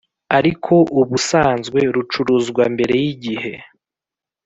Ariko ubusanzwe rucuruzwambere y igihe